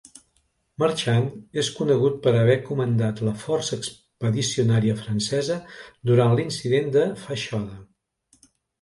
Marchand és conegut per haver comandat la força expedicionària francesa durant l'incident de Fashoda.